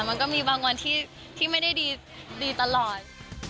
มันก็มีบางวันที่ไม่ได้ดีตลอด